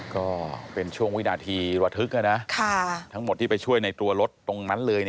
ก็เป็นช่วงวินาทีระทึกทั้งหมดที่ไปช่วยในตัวรถตรงนั้นเลย